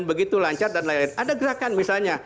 begitu lancar dan lain lain ada gerakan misalnya